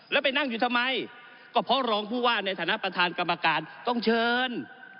แล้วไปนั่งอยู่ทำไมก็เพราะรองผู้ว่าในฐานะประธานกรรมการต้องเชิญ